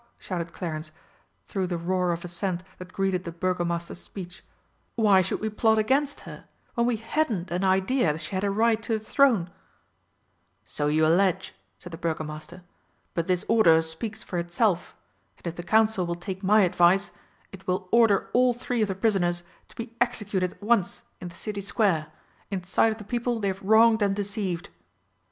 shouted Clarence, through the roar of assent that greeted the Burgomaster's speech. "Why should we plot against her, when we hadn't an idea she had a right to the throne?" "So you allege," said the Burgomaster. "But this order speaks for itself, and if the Council will take my advice it will order all three of the prisoners to be executed at once in the City Square, in sight of the people they have wronged and deceived."